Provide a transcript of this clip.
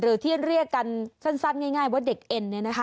หรือที่เรียกกันสั้นง่ายว่าเด็กเอ็น